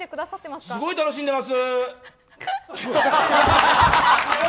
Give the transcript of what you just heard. すごい楽しんでます。